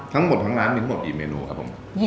ทั้งหมดทั้งร้านมีทั้งหมดกี่เมนูครับผม